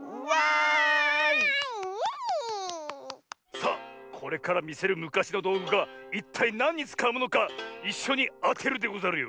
さあこれからみせるむかしのどうぐがいったいなんにつかうものかいっしょにあてるでござるよ。